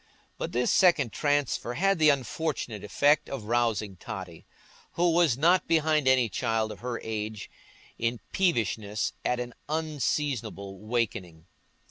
But this second transfer had the unfortunate effect of rousing Totty, who was not behind any child of her age in peevishness at an unseasonable awaking.